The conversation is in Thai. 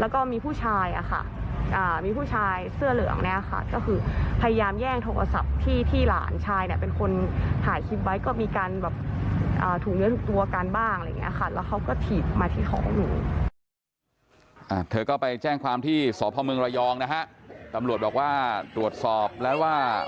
แล้วก็มีผู้ชายอะค่ะมีผู้ชายเสื้อเหลืองพยายามแย่งโทรศัพท์ที่หลานชาย